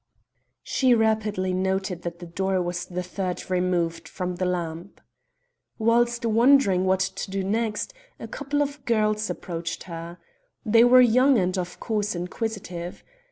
She rapidly noted that the door was the third removed from the lamp. Whilst wondering what to do next, a couple of girls approached her. They were young and of course inquisitive.